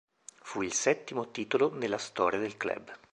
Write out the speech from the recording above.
Fu il settimo titolo nella storia del club.